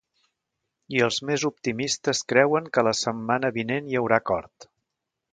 I els més optimistes creuen que la setmana vinent hi haurà acord.